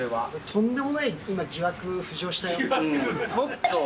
とんでもない今、疑惑浮上しちょっと。